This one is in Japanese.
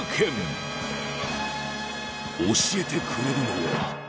教えてくれるのは。